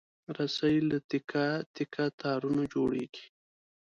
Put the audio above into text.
رسۍ له تکه تکه تارونو جوړېږي.